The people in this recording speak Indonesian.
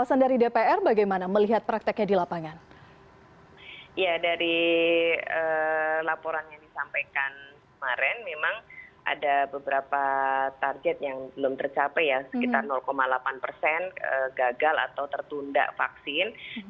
sampai saat lain